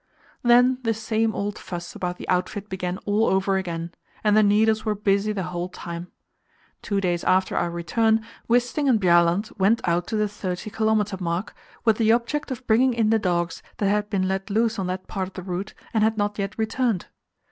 Then the same old fuss about the outfit began all over again, and the needles were busy the whole time. Two days after our return, Wisting and Bjaaland went out to the thirty kilometre mark with the object of bringing in the dogs that had been let loose on that part of the route and had not yet returned.